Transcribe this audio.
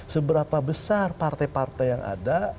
seberapa besar partai partai yang ada